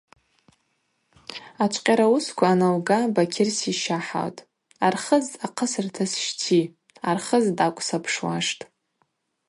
Ачвкъьара уысква аналга Бакьыр сищыхӏалтӏ: – Архыз ахъысырта сщти, Архыз тӏакӏв сапшуаштӏ.